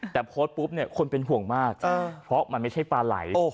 แต่โพสต์ปุ๊บเนี่ยคนเป็นห่วงมากเพราะมันไม่ใช่ปลาไหล